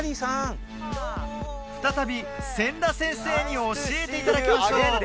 再び千田先生に教えていただきましょう